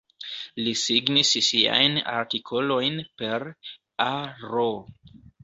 Li signis siajn artikolojn per: "A R".